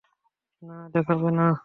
না, দেখাবে না।